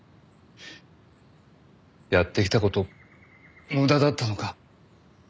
やってきた事無駄だったのか。